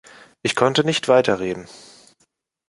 Ich konnte nicht weiter reden.